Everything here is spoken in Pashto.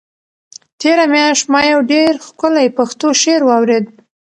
تېره میاشت ما یو ډېر ښکلی پښتو شعر واورېد.